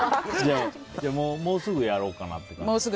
もうすぐやろうかなって感じ？